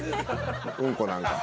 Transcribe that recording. うんこなんか。